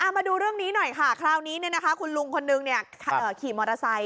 มาดูเรื่องนี้หน่อยค่ะคราวนี้คุณลุงคนนึงขี่มอเตอร์ไซค